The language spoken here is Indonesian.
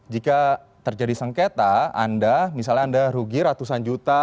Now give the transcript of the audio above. jika terjadi sengketa anda misalnya anda rugi ratusan juta